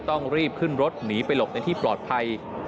ต้องรีบขึ้นรถหนีไปหลบในที่ปลอดภัย